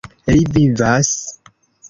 Li vivas!